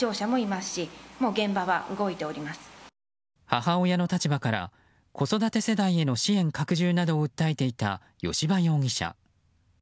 母親の立場から子育て世代への支援拡充などを訴えていた吉羽容疑者。